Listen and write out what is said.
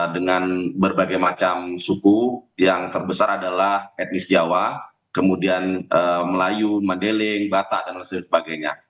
dengan berbagai macam suku yang terbesar adalah etnis jawa kemudian melayu madeling batak dan lain sebagainya